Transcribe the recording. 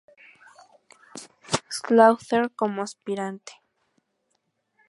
Slaughter como aspirante.